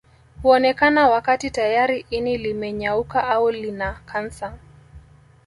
Huonekana wakati tayari ini limenyauka au lina kansa